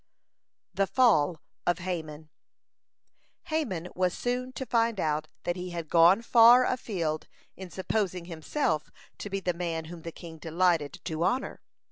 (168) THE FALL OF HAMAN Haman was soon to find out that he had gone far afield in supposing himself to be the man whom the king delighted to honor.